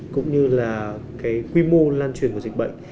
cũng như là cái quy mô lan truyền của dịch bệnh